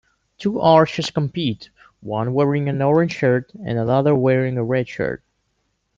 Two archers compete, one wearing an orange shirt and another wearing a red shirt.